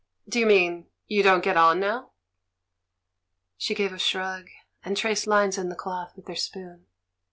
"Do you mean —?... You don't get on now?" She gave a shrug, and traced lines on the cloth with her spoon.